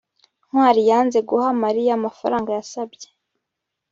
ntwali yanze guha mariya amafaranga yasabye